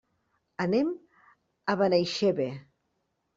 Anem a Benaixeve.